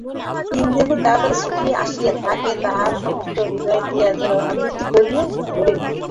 ইন্দ্রাণী তাড়াতাড়ি ছুটিয়া আসিয়া তাঁহাকে তাহার সমস্ত হৃদয় দিয়া যেন আবৃত করিয়া ধরিল।